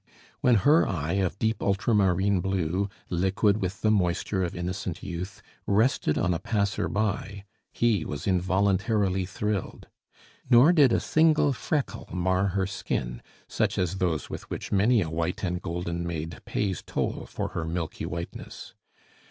When her eye, of deep ultramarine blue, liquid with the moisture of innocent youth, rested on a passer by, he was involuntarily thrilled. Nor did a single freckle mar her skin, such as those with which many a white and golden maid pays toll for her milky whiteness.